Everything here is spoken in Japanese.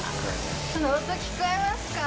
この音聞こえますか？